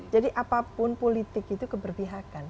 jadi apapun politik itu keberpihakan